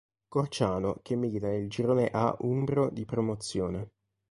Corciano che milita nel girone A umbro di Promozione.